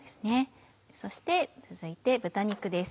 そして続いて豚肉です。